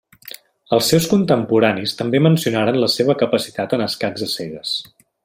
Els seus contemporanis també mencionaren la seva capacitat en escacs a cegues.